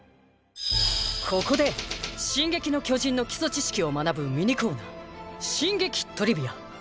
ここで「進撃の巨人」の基礎知識を学ぶミニコーナー「進撃トリビア」。